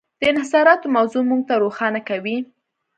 د انحصاراتو موضوع موږ ته روښانه کوي.